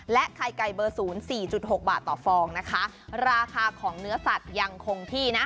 ไข่ไก่เบอร์ศูนย์สี่จุดหกบาทต่อฟองนะคะราคาของเนื้อสัตว์ยังคงที่นะ